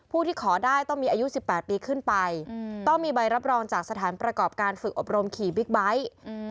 ที่ขอได้ต้องมีอายุ๑๘ปีขึ้นไปต้องมีใบรับรองจากสถานประกอบการฝึกอบรมขี่บิ๊กไบท์